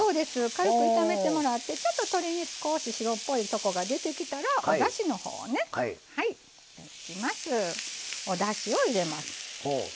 軽く炒めてもらってちょっと鶏肉白っぽいところが出てきたらおだしの方をねはいおだしを入れます。